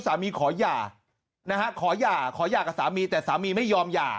ขอหย่านะฮะขอหย่าขอหย่ากับสามีแต่สามีไม่ยอมหย่า